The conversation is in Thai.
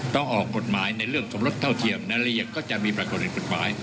ออกกฎหมายในเรื่องสมรสเท่าเทียมรายละเอียดก็จะมีปรากฏในกฎหมาย